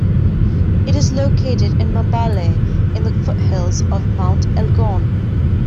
It is located in Mbale in the foothills of Mount Elgon.